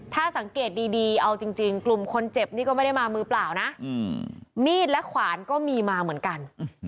ถ้าสังเกตดีเอาจริงกลุ่มคนเจ็บนี่ก็ไม่ได้มามือเปล่านะมีดและขวานก็มีมาเหมือนกัน